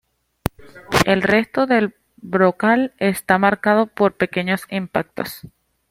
El resto del brocal está marcado por pequeños impactos.